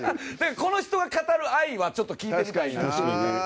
この人が語る愛はちょっと聞いてみたいな。